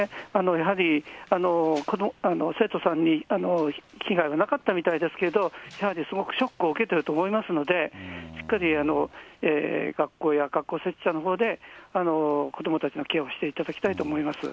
やはり、生徒さんに、危害はなかったみたいですけど、やはりすごくショックを受けてると思いますので、しっかり、学校や学校設置者のほうで、子どもたちのケアをしていただきたいと思います。